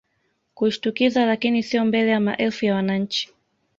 kushtukiza lakini sio mbele ya maelfu ya wananchi